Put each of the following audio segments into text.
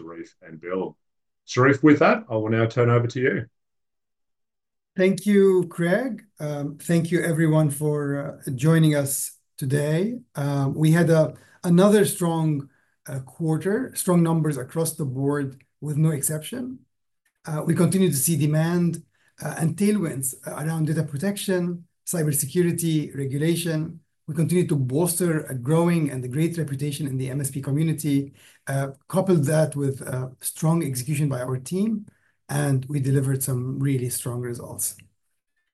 Charif and Bill. Charif, with that, I will now turn over to you. Thank you, Craig. Thank you everyone for joining us today. We had another strong quarter, strong numbers across the board with no exception. We continue to see demand and tailwinds around data protection, cybersecurity, regulation. We continue to bolster a growing and a great reputation in the MSP community. Couple that with strong execution by our team, and we delivered some really strong results.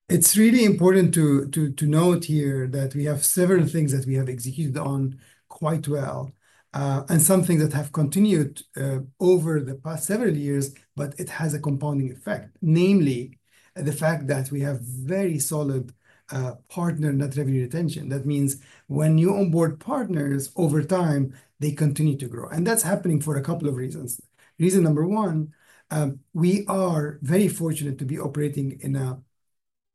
It's really important to note here that we have several things that we have executed on quite well, and some things that have continued over the past several years, but it has a compounding effect. Namely, the fact that we have very solid partner net revenue retention. That means when you onboard partners, over time, they continue to grow, and that's happening for a couple of reasons. Reason number one, we are very fortunate to be operating in a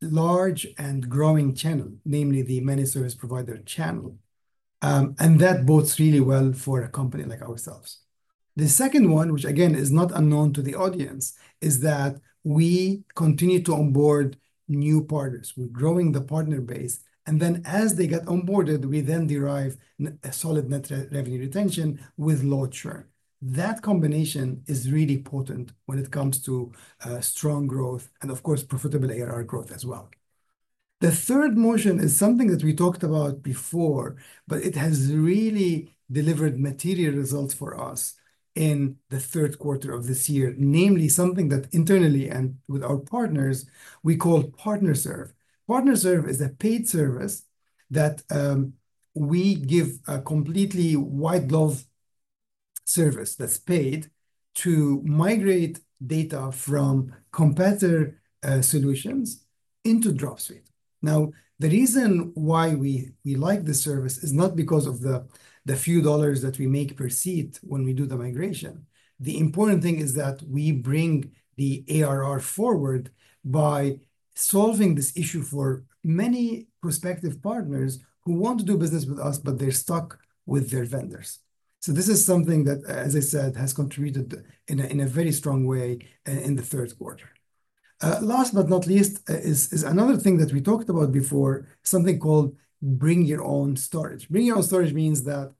large and growing channel, namely the managed service provider channel, and that bodes really well for a company like ourselves. The second one, which again is not unknown to the audience, is that we continue to onboard new partners. We're growing the partner base, and then, as they get onboarded, we then derive a solid net revenue retention with low churn. That combination is really potent when it comes to, strong growth and, of course, profitable ARR growth as well. The third motion is something that we talked about before, but it has really delivered material results for us in the third quarter of this year, namely something that internally and with our partners, we call PartnerServe. PartnerServe is a paid service that we give a completely white glove service that's paid to migrate data from competitor solutions into Dropsuite. Now, the reason why we like this service is not because of the few dollars that we make per seat when we do the migration. The important thing is that we bring the ARR forward by solving this issue for many prospective partners who want to do business with us, but they're stuck with their vendors. So this is something that as I said has contributed in a very strong way in the third quarter. Last but not least is another thing that we talked about before, something called Bring Your Own Storage. Bring Your Own Storage means that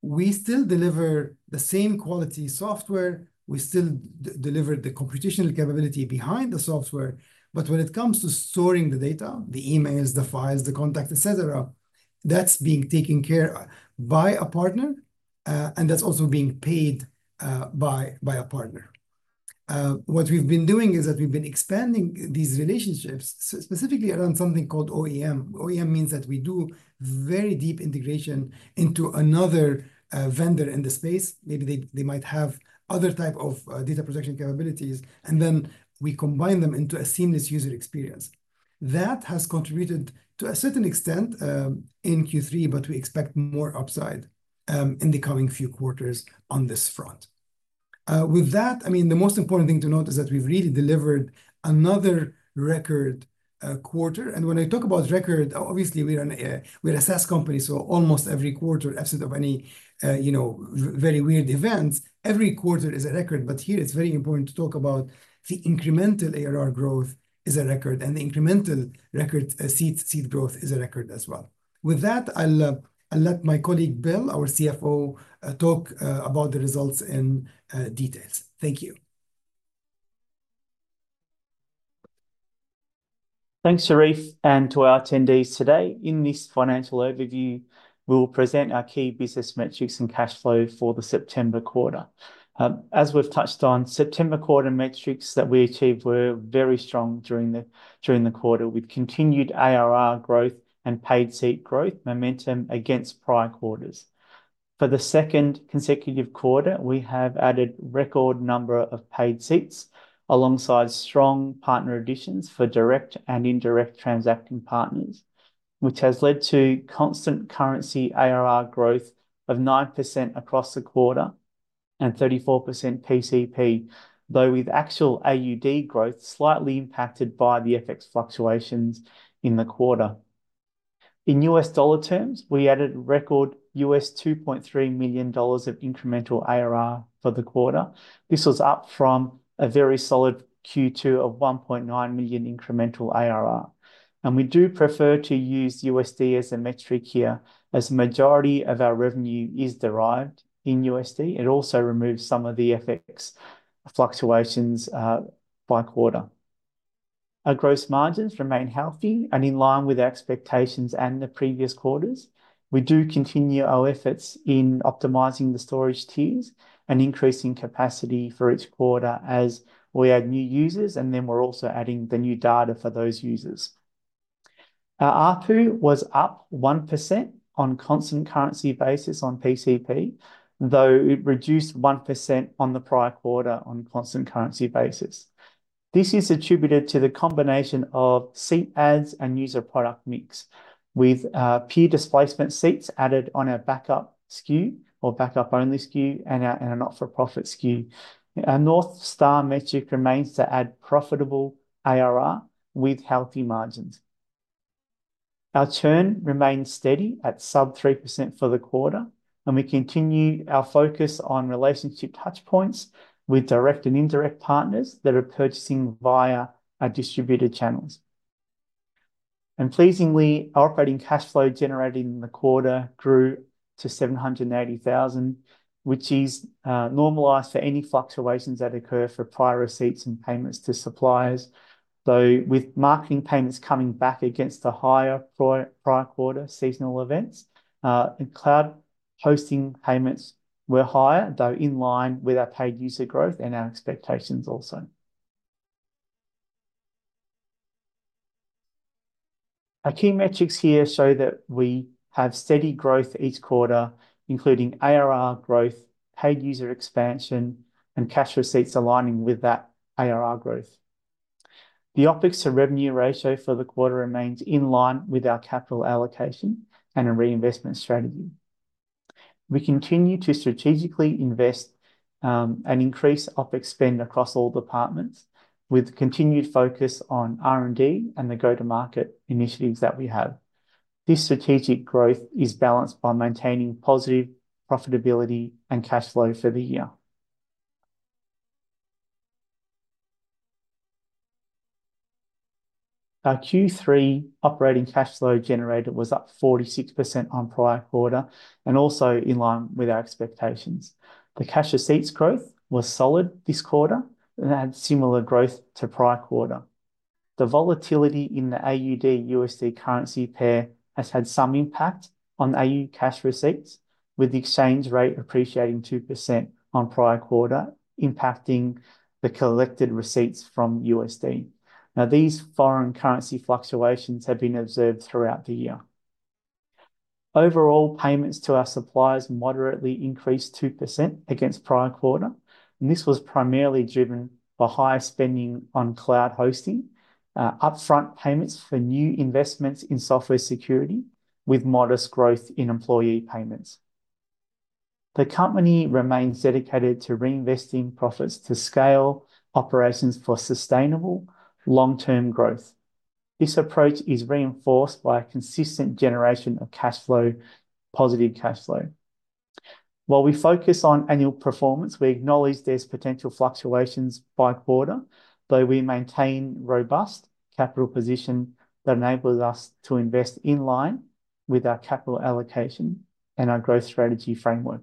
we still deliver the same quality software, we still deliver the computational capability behind the software, but when it comes to storing the data, the emails, the files, the contacts, et cetera, that's being taken care of by a partner, and that's also being paid by a partner. What we've been doing is that we've been expanding these relationships, specifically around something called OEM. OEM means that we do very deep integration into another vendor in the space. Maybe they might have other type of data protection capabilities, and then we combine them into a seamless user experience. That has contributed to a certain extent in Q3, but we expect more upside in the coming few quarters on this front. With that, I mean, the most important thing to note is that we've really delivered another record quarter. And when I talk about record, obviously, we're a SaaS company, so almost every quarter, absent of any, you know, very weird events, every quarter is a record. But here, it's very important to talk about the incremental ARR growth is a record, and the incremental record seat growth is a record as well. With that, I'll let my colleague, Bill, our CFO, talk about the results in detail. Thank you. Thanks, Charif, and to our attendees today. In this financial overview, we'll present our key business metrics and cash flow for the September quarter. As we've touched on, September quarter metrics that we achieved were very strong during the quarter, with continued ARR growth and paid seat growth momentum against prior quarters. For the second consecutive quarter, we have added record number of paid seats, alongside strong partner additions for direct and indirect transacting partners, which has led to constant currency ARR growth of 9% across the quarter and 34% PCP, though with actual AUD growth slightly impacted by the FX fluctuations in the quarter. In US dollar terms, we added a record $2.3 million of incremental ARR for the quarter. This was up from a very solid Q2 of $1.9 million incremental ARR. And we do prefer to use USD as a metric here, as majority of our revenue is derived in USD. It also removes some of the FX fluctuations by quarter. Our gross margins remain healthy and in line with our expectations and the previous quarters. We do continue our efforts in optimizing the storage tiers and increasing capacity for each quarter as we add new users, and then we're also adding the new data for those users. Our ARPU was up 1% on constant currency basis on PCP, though it reduced 1% on the prior quarter on a constant currency basis. This is attributed to the combination of seat adds and user product mix, with peer displacement seats added on our backup SKU or backup-only SKU and our not-for-profit SKU. Our North Star metric remains to add profitable ARR with healthy margins.... Our churn remained steady at sub 3% for the quarter, and we continue our focus on relationship touch points with direct and indirect partners that are purchasing via our distributor channels. Pleasingly, our operating cash flow generated in the quarter grew to 780,000, which is normalized for any fluctuations that occur for prior receipts and payments to suppliers. Though, with marketing payments coming back against the higher prior quarter seasonal events, and cloud hosting payments were higher, though in line with our paid user growth and our expectations also. Our key metrics here show that we have steady growth each quarter, including ARR growth, paid user expansion, and cash receipts aligning with that ARR growth. The OpEx to revenue ratio for the quarter remains in line with our capital allocation and our reinvestment strategy. We continue to strategically invest and increase OpEx spend across all departments, with continued focus on R&D and the go-to-market initiatives that we have. This strategic growth is balanced by maintaining positive profitability and cash flow for the year. Our Q3 operating cash flow generated was up 46% on prior quarter and also in line with our expectations. The cash receipts growth was solid this quarter, and had similar growth to prior quarter. The volatility in the AUD/USD currency pair has had some impact on AU cash receipts, with the exchange rate appreciating 2% on prior quarter, impacting the collected receipts from USD. Now, these foreign currency fluctuations have been observed throughout the year. Overall, payments to our suppliers moderately increased 2% against prior quarter, and this was primarily driven by higher spending on cloud hosting, upfront payments for new investments in software security, with modest growth in employee payments. The company remains dedicated to reinvesting profits to scale operations for sustainable long-term growth. This approach is reinforced by a consistent generation of cash flow, positive cash flow. While we focus on annual performance, we acknowledge there's potential fluctuations by quarter, though we maintain robust capital position that enables us to invest in line with our capital allocation and our growth strategy framework.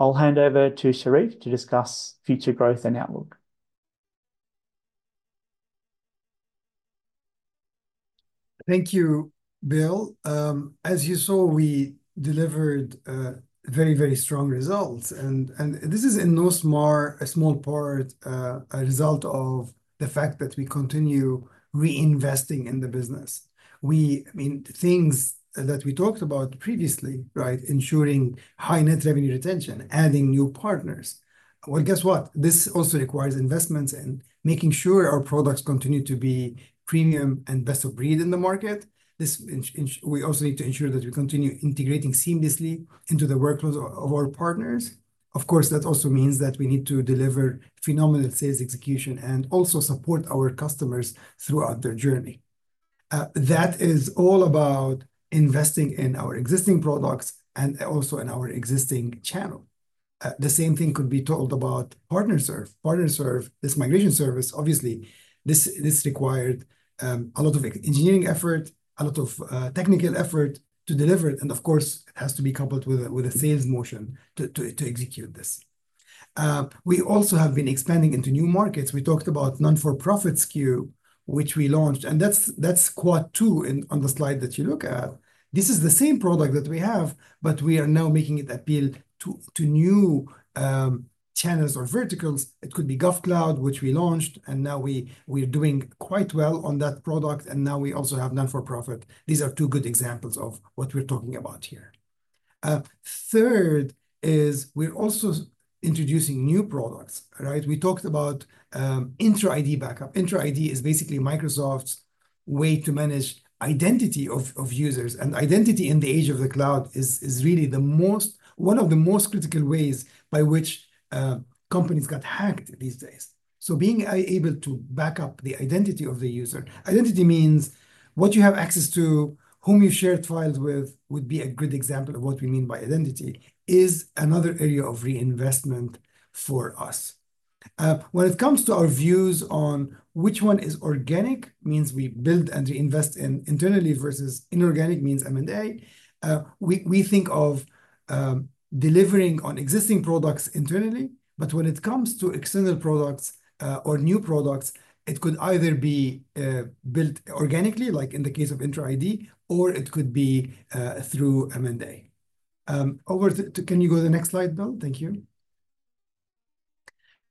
I'll hand over to Charif to discuss future growth and outlook. Thank you, Bill. As you saw, we delivered very, very strong results, and this is in no small part a result of the fact that we continue reinvesting in the business. I mean, the things that we talked about previously, right? Ensuring high net revenue retention, adding new partners. Well, guess what? This also requires investments and making sure our products continue to be premium and best of breed in the market. We also need to ensure that we continue integrating seamlessly into the workflows of our partners. Of course, that also means that we need to deliver phenomenal sales execution and also support our customers throughout their journey. That is all about investing in our existing products and also in our existing channel. The same thing could be told about PartnerServe. PartnerServe, this migration service, obviously this required a lot of engineering effort, a lot of technical effort to deliver it, and of course, it has to be coupled with a sales motion to execute this. We also have been expanding into new markets. We talked about not-for-profit SKU, which we launched, and that's Quad two on the slide that you look at. This is the same product that we have, but we are now making it appeal to new channels or verticals. It could be GovCloud, which we launched, and now we're doing quite well on that product, and now we also have not-for-profit. These are two good examples of what we're talking about here. Third is we're also introducing new products, right? We talked about Entra ID Backup. Entra ID is basically Microsoft's way to manage identity of users, and identity in the age of the cloud is really one of the most critical ways by which companies got hacked these days, so being able to back up the identity of the user. Identity means what you have access to, whom you've shared files with, would be a good example of what we mean by identity, is another area of reinvestment for us, when it comes to our views on which one is organic, means we build and reinvest in internally, versus inorganic, means M&A, we think of delivering on existing products internally, but when it comes to external products or new products, it could either be built organically, like in the case of Entra ID, or it could be through M&A. Over to. Can you go to the next slide, Bill? Thank you.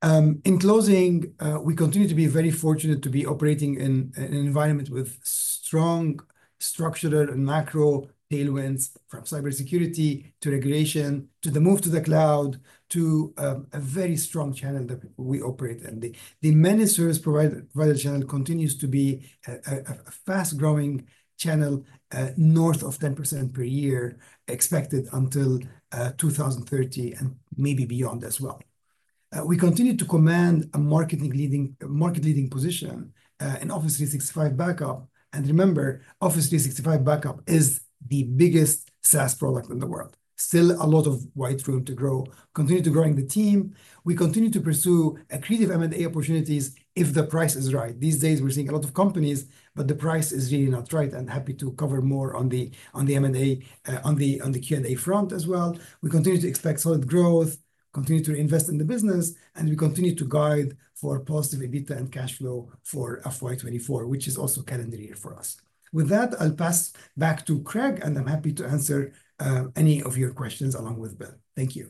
In closing, we continue to be very fortunate to be operating in an environment with strong, structured, and macro tailwinds, from cybersecurity, to regulation, to the move to the cloud, to a very strong channel that we operate in. The managed service provider channel continues to be a fast-growing channel, north of 10% per year, expected until 2030, and maybe beyond as well. We continue to command a market-leading position in Office 365 Backup. And remember, Office 365 Backup is the biggest SaaS product in the world. Still a lot of white space to grow. Continue to growing the team. We continue to pursue accretive M&A opportunities if the price is right. These days, we're seeing a lot of companies, but the price is really not right, and happy to cover more on the M&A, on the Q&A front as well. We continue to expect solid growth, continue to invest in the business, and we continue to guide for positive EBITDA and cash flow for FY 2024, which is also calendar year for us. With that, I'll pass back to Craig, and I'm happy to answer any of your questions, along with Bill. Thank you.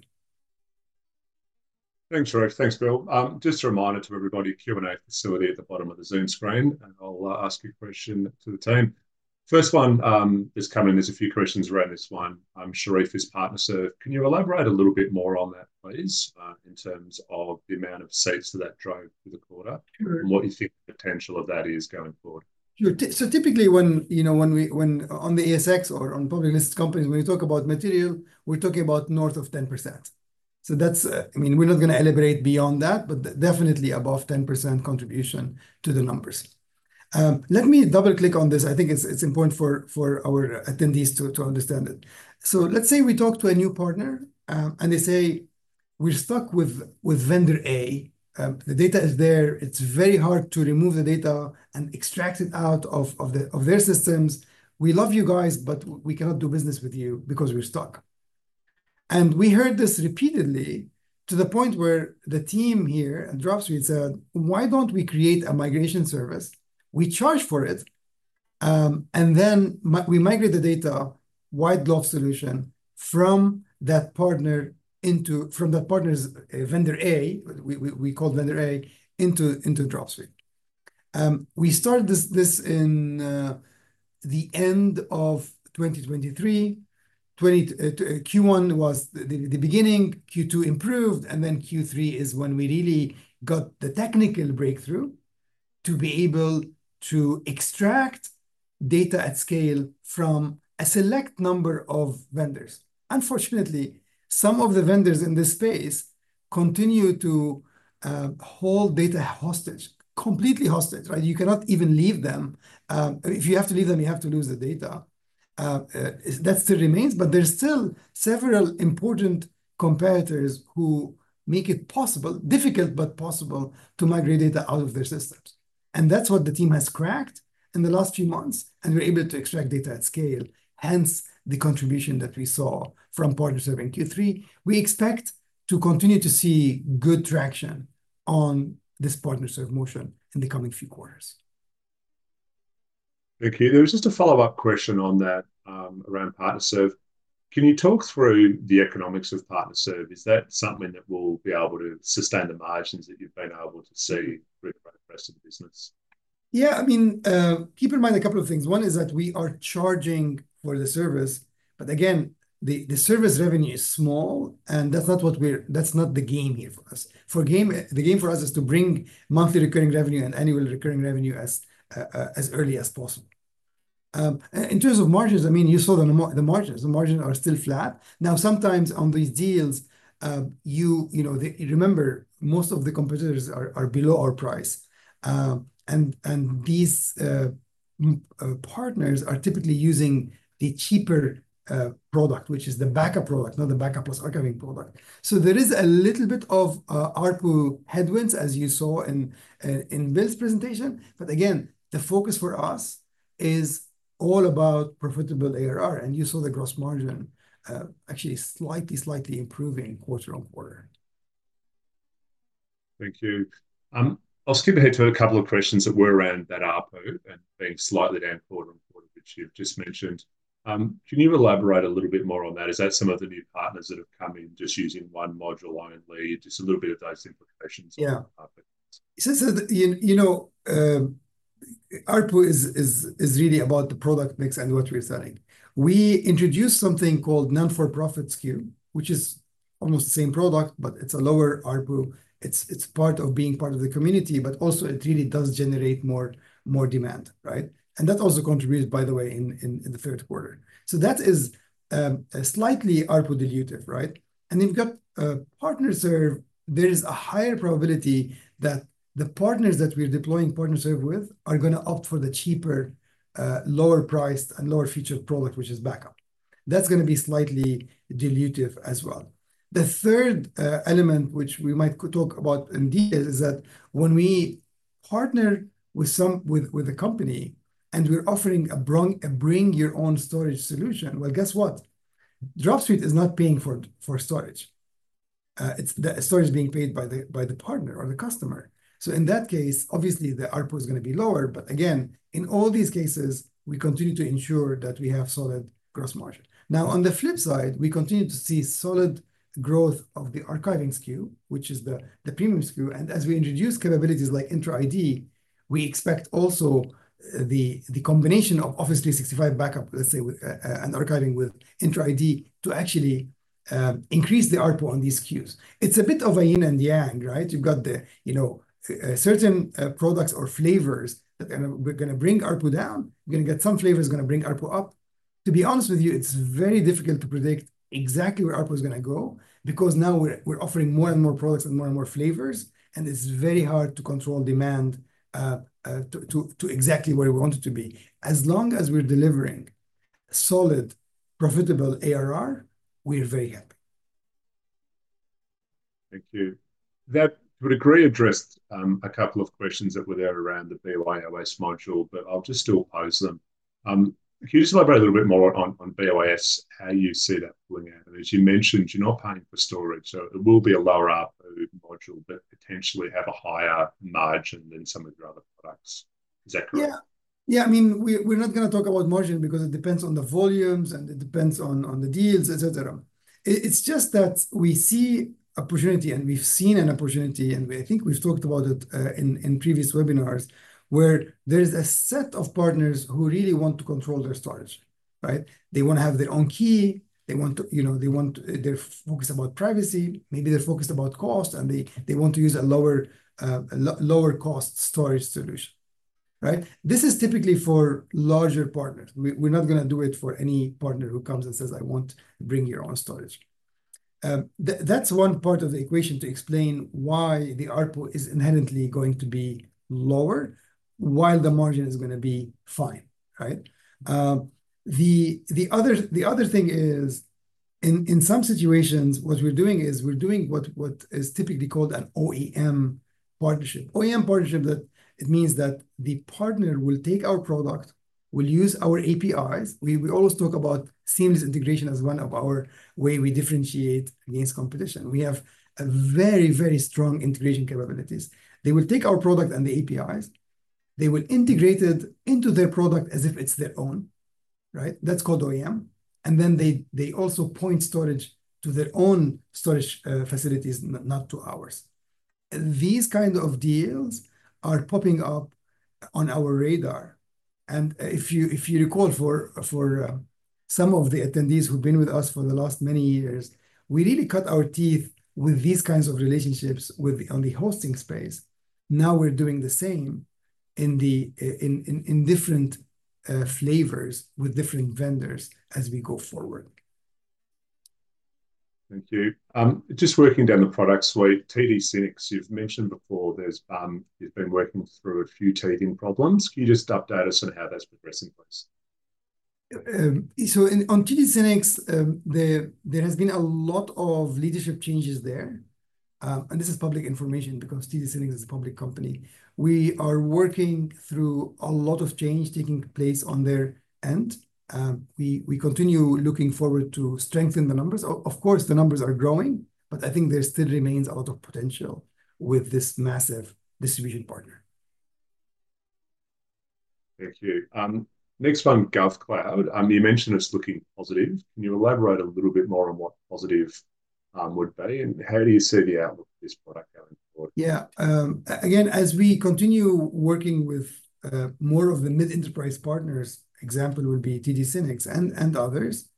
Thanks, Charif. Thanks, Bill. Just a reminder to everybody, Q&A facility at the bottom of the Zoom screen, and I'll ask your question to the team. First one is coming. There's a few questions around this one. Charif, is PartnerServe. Can you elaborate a little bit more on that, please, in terms of the amount of seats that that drove through the quarter- Sure... and what you think the potential of that is going forward? Sure. So typically, when, you know, when we on the ASX or on public listed companies, when we talk about material, we're talking about north of 10%. So that's, I mean, we're not gonna elaborate beyond that, but definitely above 10% contribution to the numbers. Let me double-click on this. I think it's important for our attendees to understand it. So let's say we talk to a new partner, and they say, "We're stuck with Vendor A. The data is there. It's very hard to remove the data and extract it out of their systems. We love you guys, but we cannot do business with you because we're stuck." And we heard this repeatedly, to the point where the team here at Dropsuite said: "Why don't we create a migration service? We charge for it, and then we migrate the data, white label solution, from that partner into, from that partner's, Vendor A, we call Vendor A, into Dropsuite. We started this in the end of 2023. Q1 was the beginning, Q2 improved, and then Q3 is when we really got the technical breakthrough to be able to extract data at scale from a select number of vendors. Unfortunately, some of the vendors in this space continue to hold data hostage. Completely hostage, right? You cannot even leave them. If you have to leave them, you have to lose the data. That still remains, but there's still several important competitors who make it possible, difficult but possible, to migrate data out of their systems, and that's what the team has cracked in the last few months, and we're able to extract data at scale, hence, the contribution that we saw from PartnerServe in Q3. We expect to continue to see good traction on this PartnerServe motion in the coming few quarters. Thank you. There was just a follow-up question on that, around PartnerServe. Can you talk through the economics of PartnerServe? Is that something that will be able to sustain the margins that you've been able to see through the rest of the business? Yeah, I mean, keep in mind a couple of things. One is that we are charging for the service, but again, the service revenue is small, and that's not what we're-- that's not the game here for us. The game for us is to bring monthly recurring revenue and annual recurring revenue as early as possible. In terms of margins, I mean, you saw the margins. The margins are still flat. Now, sometimes on these deals, you know, remember, most of the competitors are below our price. And these partners are typically using the cheaper product, which is the backup product, not the backup plus archiving product. So there is a little bit of ARPU headwinds, as you saw in Bill's presentation. But again, the focus for us is all about profitable ARR, and you saw the gross margin actually slightly improving quarter on quarter. Thank you. I'll skip ahead to a couple of questions that were around that ARPU and being slightly down quarter on quarter, which you've just mentioned. Can you elaborate a little bit more on that? Is that some of the new partners that have come in just using one module only, just a little bit of those implications- Yeah... on ARPU? Since you know, ARPU is really about the product mix and what we're selling. We introduced something called not-for-profit SKU, which is almost the same product, but it's a lower ARPU. It's part of being part of the community, but also it really does generate more demand, right? And that also contributes, by the way, in the third quarter. So that is slightly ARPU dilutive, right? And you've got PartnerServe. There is a higher probability that the partners that we're deploying PartnerServe with are gonna opt for the cheaper lower priced and lower featured product, which is backup. That's gonna be slightly dilutive as well. The third element, which we might talk about in detail, is that when we partner with some with a company, and we're offering a bring your own storage solution, well, guess what? Dropsuite is not paying for storage. It's the storage is being paid by the partner or the customer. So in that case, obviously, the ARPU is gonna be lower. But again, in all these cases, we continue to ensure that we have solid gross margin. Now, on the flip side, we continue to see solid growth of the archiving SKU, which is the premium SKU. And as we introduce capabilities like Entra ID, we expect also the combination of Office 365 Backup, let's say, with and archiving with Entra ID, to actually increase the ARPU on these SKUs. It's a bit of a yin and yang, right? You've got the, you know, certain products or flavors that are gonna bring ARPU down. You're gonna get some flavors gonna bring ARPU up. To be honest with you, it's very difficult to predict exactly where ARPU is gonna go, because now we're offering more and more products and more and more flavors, and it's very hard to control demand to exactly where we want it to be. As long as we're delivering solid, profitable ARR, we're very happy. Thank you. That to a degree addressed a couple of questions that were there around the BYOS module, but I'll just still pose them. Can you just elaborate a little bit more on BYOS, how you see that pulling out? And as you mentioned, you're not paying for storage, so it will be a lower ARPU module, but potentially have a higher margin than some of your other products. Is that correct? Yeah. Yeah, I mean, we're not gonna talk about margin because it depends on the volumes, and it depends on the deals, et cetera. It's just that we see opportunity, and we've seen an opportunity, and I think we've talked about it in previous webinars, where there's a set of partners who really want to control their storage, right? They wanna have their own key, they want to, you know, they're focused about privacy, maybe they're focused about cost, and they want to use a lower cost storage solution, right? This is typically for larger partners. We, we're not gonna do it for any partner who comes and says, "I want bring your own storage." That's one part of the equation to explain why the ARPU is inherently going to be lower, while the margin is gonna be fine, right? The other thing is, in some situations, what we're doing is we're doing what is typically called an OEM partnership. OEM partnership, that means that the partner will take our product, will use our APIs. We always talk about seamless integration as one of our way we differentiate against competition. We have a very strong integration capabilities. They will take our product and the APIs, they will integrate it into their product as if it's their own, right? That's called OEM. And then they also point storage to their own storage facilities, not to ours. These kind of deals are popping up on our radar, and if you recall, for some of the attendees who've been with us for the last many years, we really cut our teeth with these kinds of relationships with on the hosting space. Now we're doing the same in different flavors with different vendors as we go forward. Thank you. Just working down the product suite, TD SYNNEX, you've mentioned before, there's, you've been working through a few teething problems. Can you just update us on how that's progressing, please? So on TD SYNNEX, on there has been a lot of leadership changes there. And this is public information because TD SYNNEX is a public company. We are working through a lot of change taking place on their end. We continue looking forward to strengthen the numbers. Of course, the numbers are growing, but I think there still remains a lot of potential with this massive distribution partner. Thank you. Next one, GovCloud. You mentioned it's looking positive. Can you elaborate a little bit more on what positive would be, and how do you see the outlook for this product going forward? Yeah. Again, as we continue working with more of the mid-enterprise partners, example would be TD SYNNEX and others,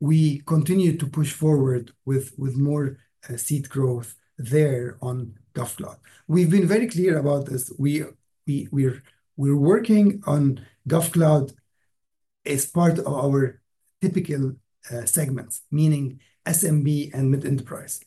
we continue to push forward with more seed growth there on GovCloud. We've been very clear about this. We're working on GovCloud as part of our typical segments, meaning SMB and mid-enterprise.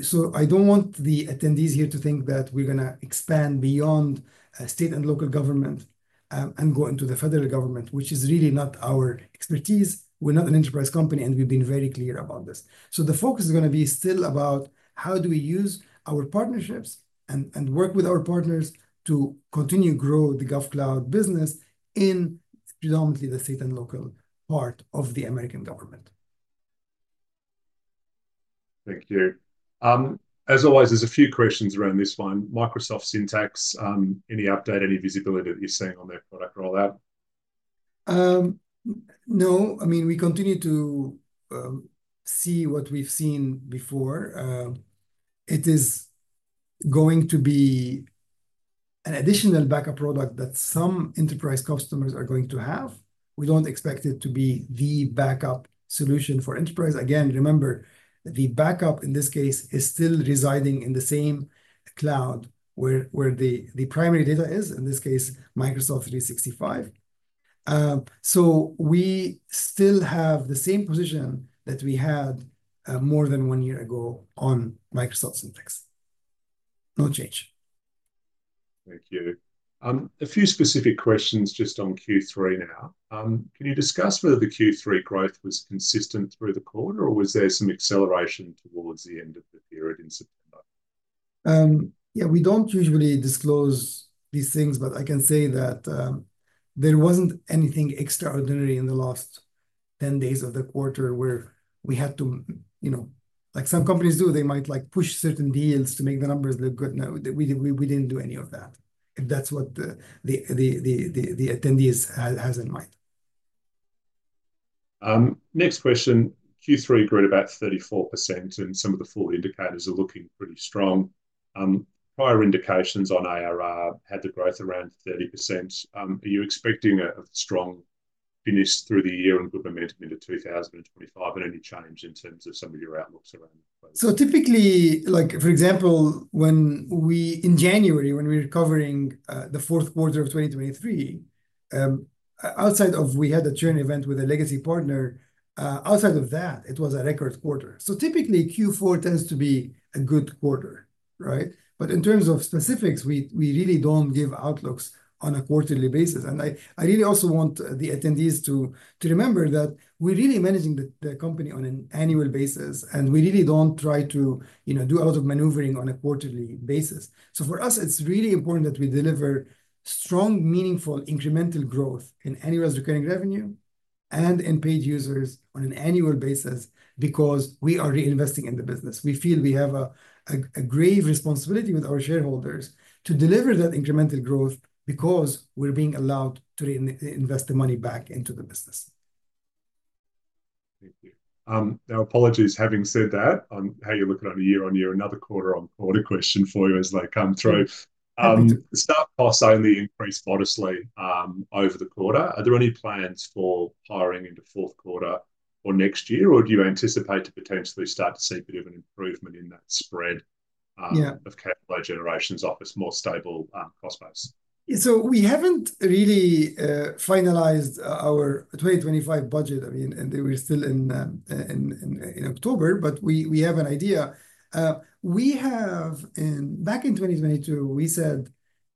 So I don't want the attendees here to think that we're gonna expand beyond state and local government and go into the federal government, which is really not our expertise. We're not an enterprise company, and we've been very clear about this. So the focus is gonna be still about how do we use our partnerships and work with our partners to continue grow the GovCloud business in predominantly the state and local part of the American government. Thank you. As always, there's a few questions around this one. Microsoft Syntex, any update, any visibility that you're seeing on that product roll-out? No. I mean, we continue to see what we've seen before. It is going to be an additional backup product that some enterprise customers are going to have. We don't expect it to be the backup solution for enterprise. Again, remember, the backup, in this case, is still residing in the same cloud where the primary data is, in this case, Microsoft 365. So we still have the same position that we had more than one year ago on Microsoft Syntex. No change. Thank you. A few specific questions just on Q3 now. Can you discuss whether the Q3 growth was consistent through the quarter, or was there some acceleration towards the end of the period in September? Yeah, we don't usually disclose these things, but I can say that there wasn't anything extraordinary in the last ten days of the quarter where we had to, you know. Like some companies do, they might, like, push certain deals to make the numbers look good. No, we didn't do any of that, if that's what the attendees had in mind. Next question. Q3 grew at about 34%, and some of the forward indicators are looking pretty strong. Prior indications on ARR had the growth around 30%. Are you expecting a strong finish through the year and good momentum into 2025, and any change in terms of some of your outlooks around those? So typically, like, for example, in January, when we were covering the fourth quarter of 2023, outside of we had a churn event with a legacy partner, outside of that, it was a record quarter. So typically, Q4 tends to be a good quarter, right? But in terms of specifics, we, we really don't give outlooks on a quarterly basis. And I, I really also want the attendees to, to remember that we're really managing the, the company on an annual basis, and we really don't try to, you know, do a lot of maneuvering on a quarterly basis. So for us, it's really important that we deliver strong, meaningful, incremental growth in annual recurring revenue and in paid users on an annual basis because we are reinvesting in the business. We feel we have a grave responsibility with our shareholders to deliver that incremental growth because we're being allowed to reinvest the money back into the business. Thank you. Now, apologies, having said that, on how you're looking on a year-on-year, another quarter-on-quarter question for you as they come through. The staff costs only increased modestly over the quarter. Are there any plans for hiring into fourth quarter or next year, or do you anticipate to potentially start to see a bit of an improvement in that spread? Yeah Of cash flow generations off its more stable, cost base? So we haven't really finalized our 2025 budget. I mean, and we're still in October, but we have an idea. We have. Back in 2022, we said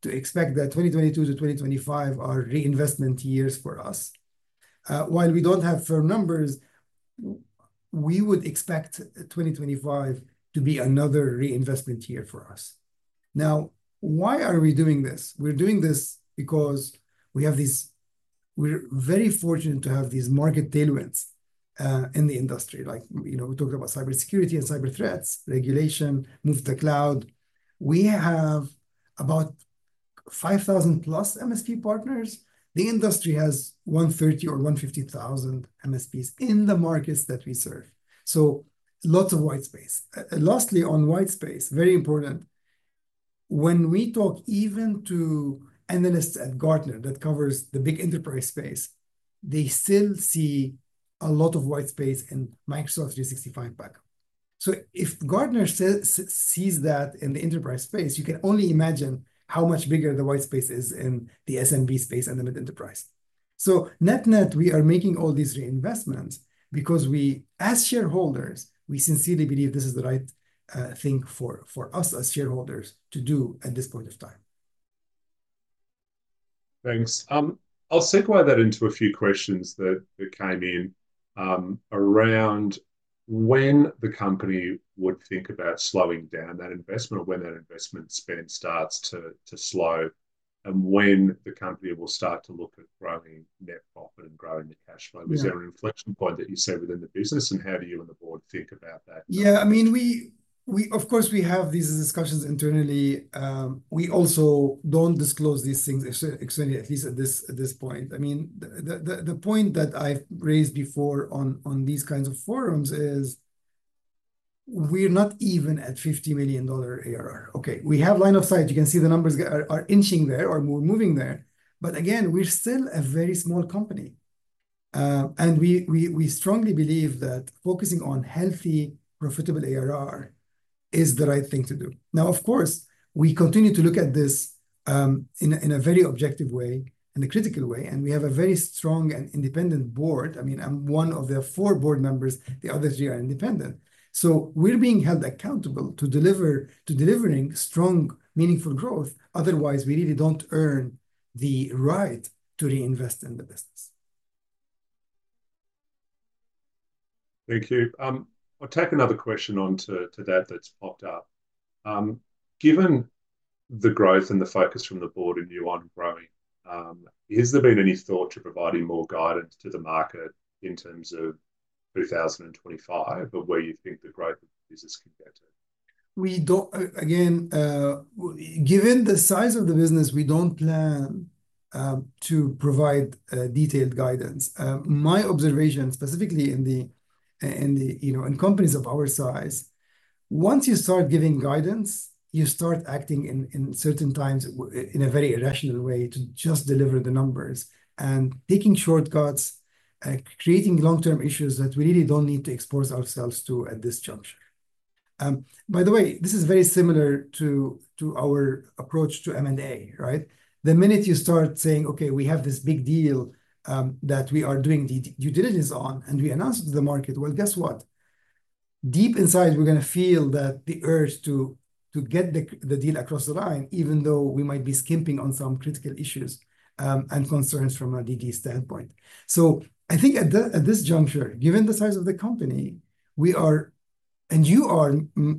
to expect that 2022 to 2025 are reinvestment years for us. While we don't have firm numbers, we would expect 2025 to be another reinvestment year for us. Now, why are we doing this? We're doing this because we have these. We're very fortunate to have these market tailwinds in the industry. Like, you know, we talked about cybersecurity and cyber threats, regulation, move to cloud. We have about 5,000 plus MSP partners. The industry has 130 or 150 thousand MSPs in the markets that we serve, so lots of white space. Lastly, on white space, very important, when we talk even to analysts at Gartner that covers the big enterprise space, they still see a lot of white space in Microsoft 365 backup. So if Gartner still sees that in the enterprise space, you can only imagine how much bigger the white space is in the SMB space and the mid-enterprise. So net-net, we are making all these reinvestments because we, as shareholders, we sincerely believe this is the right thing for us as shareholders to do at this point of time. Thanks. I'll segue that into a few questions that came in around when the company would think about slowing down that investment or when that investment spend starts to slow, and when the company will start to look at growing net profit and growing the cash flow. Yeah. Is there an inflection point that you see within the business, and how do you and the board think about that? Yeah, I mean, we of course have these discussions internally. We also don't disclose these things externally, at least at this point. I mean, the point that I've raised before on these kinds of forums is we're not even at $50 million ARR. Okay, we have line of sight. You can see the numbers are inching there or moving there, but again, we're still a very small company, and we strongly believe that focusing on healthy, profitable ARR is the right thing to do. Now, of course, we continue to look at this in a very objective way and a critical way, and we have a very strong and independent board. I mean, I'm one of the four board members. The others are independent. So we're being held accountable to delivering strong, meaningful growth. Otherwise, we really don't earn the right to reinvest in the business. Thank you. I'll tack another question on to that, that's popped up. Given the growth and the focus from the board and you on growing, has there been any thought to providing more guidance to the market in terms of 2025, of where you think the growth of the business could get to? We don't again, given the size of the business, we don't plan to provide detailed guidance. My observation, specifically in the, you know, in companies of our size, once you start giving guidance, you start acting in certain times in a very irrational way to just deliver the numbers, and taking shortcuts, creating long-term issues that we really don't need to expose ourselves to at this juncture. By the way, this is very similar to our approach to M&A, right? The minute you start saying, "Okay, we have this big deal that we are doing due diligence on," and we announce it to the market, well, guess what? Deep inside, we're gonna feel that, the urge to get the deal across the line, even though we might be skimping on some critical issues and concerns from a DD standpoint. So I think at this juncture, given the size of the company, we are, and you are,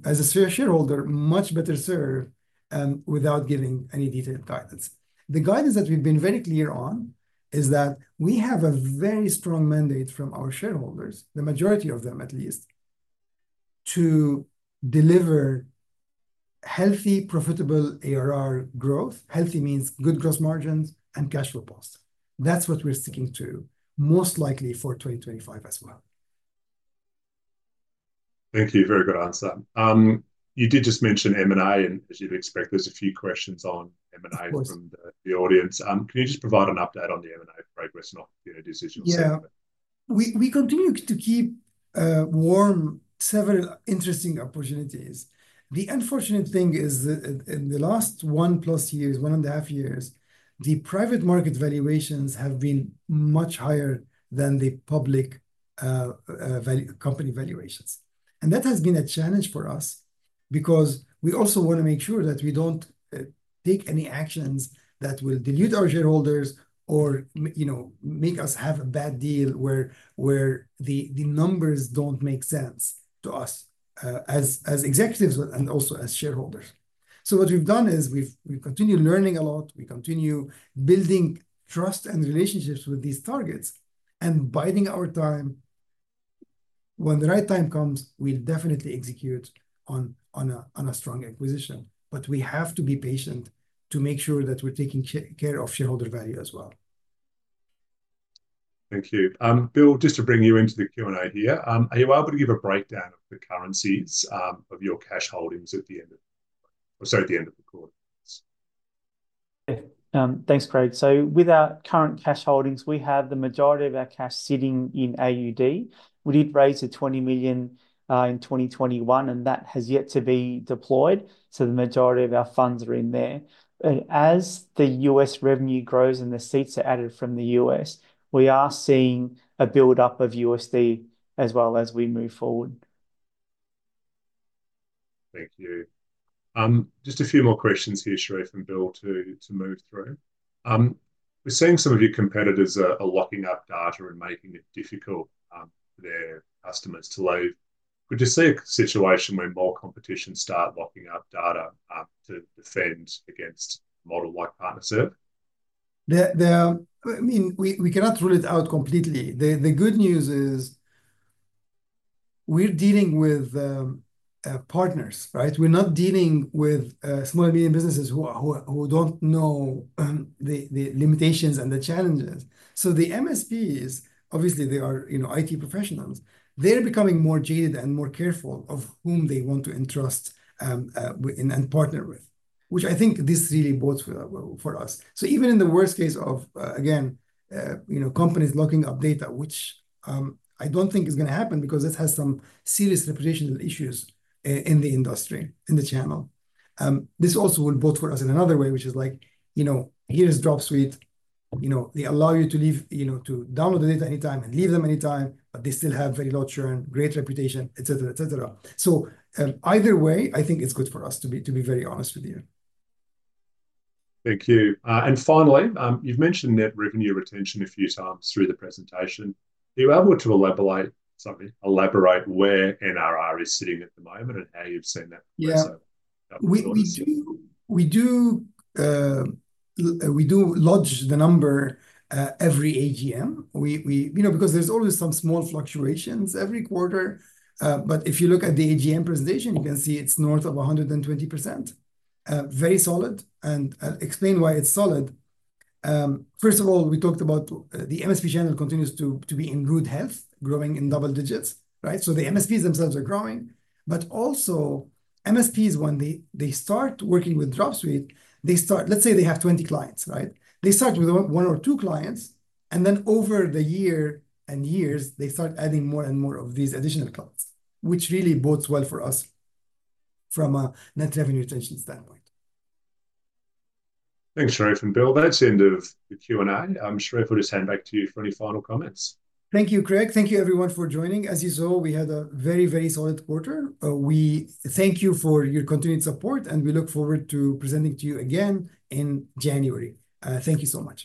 as a shareholder, much better served without giving any detailed guidance. The guidance that we've been very clear on is that we have a very strong mandate from our shareholders, the majority of them, at least, to deliver healthy, profitable ARR growth. Healthy means good gross margins and cash flow positive. That's what we're sticking to, most likely for 2025 as well. Thank you. Very good answer. You did just mention M&A, and as you'd expect, there's a few questions on M&A- Of course From the audience. Can you just provide an update on the M&A progress and on, you know, decisions made? We continue to keep warm several interesting opportunities. The unfortunate thing is that in the last one and a half years, the private market valuations have been much higher than the public company valuations. And that has been a challenge for us because we also wanna make sure that we don't take any actions that will dilute our shareholders or you know make us have a bad deal where the numbers don't make sense to us as executives and also as shareholders. So what we've done is we've continued learning a lot, we continue building trust and relationships with these targets, and biding our time. When the right time comes, we'll definitely execute on a strong acquisition, but we have to be patient to make sure that we're taking care of shareholder value as well. Thank you. Bill, just to bring you into the Q&A here, are you able to give a breakdown of the currencies, of your cash holdings at the end of... or sorry, at the end of the quarter? Yeah. Thanks, Craig. So with our current cash holdings, we have the majority of our cash sitting in AUD. We did raise 20 million in 2021, and that has yet to be deployed, so the majority of our funds are in there. But as the U.S. revenue grows and the seats are added from the U.S., we are seeing a buildup of USD as well as we move forward. Thank you. Just a few more questions here, Charif and Bill, to move through. We're seeing some of your competitors are locking up data and making it difficult for their customers to leave. Could you see a situation where more competition start locking up data to defend against a model like PartnerServe? I mean, we cannot rule it out completely. The good news is we're dealing with partners, right? We're not dealing with small and medium businesses who don't know the limitations and the challenges. So the MSPs, obviously they are you know IT professionals. They're becoming more jaded and more careful of whom they want to entrust with and partner with, which I think this really bodes well for us. So even in the worst case of again you know companies locking up data, which I don't think is gonna happen because it has some serious reputational issues in the industry, in the channel. This also will bode for us in another way, which is like, you know, here's Dropsuite, you know, they allow you to leave, you know, to download the data anytime and leave them anytime, but they still have very low churn, great reputation, et cetera, et cetera, so either way, I think it's good for us, to be very honest with you. Thank you. And finally, you've mentioned net revenue retention a few times through the presentation. Are you able to elaborate where NRR is sitting at the moment and how you've seen that? Yeah Recent quarters? We do lodge the number every AGM. You know, because there's always some small fluctuations every quarter, but if you look at the AGM presentation, you can see it's north of 120%. Very solid, and I'll explain why it's solid. First of all, we talked about the MSP channel continues to be in good health, growing in double digits, right? So the MSPs themselves are growing, but also MSPs, when they start working with Dropsuite, they start. Let's say they have 20 clients, right? They start with one or two clients, and then over the year and years, they start adding more and more of these additional clients, which really bodes well for us from a net revenue retention standpoint. Thanks, Charif and Bill. That's the end of the Q&A. Charif, I'll just hand back to you for any final comments. Thank you, Craig. Thank you everyone for joining. As you saw, we had a very, very solid quarter. We thank you for your continued support, and we look forward to presenting to you again in January. Thank you so much.